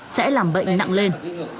sẽ làm bệnh nặng lên